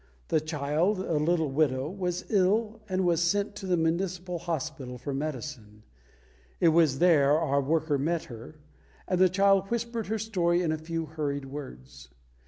The child, a little widow, was ill, and was sent to the municipal hospital for medicine. It was there our worker met her, and the child whispered her story in a few hurried words.